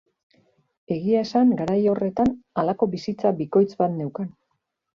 Egia esan garai horretan halako bizitza bikoitz bat neukan.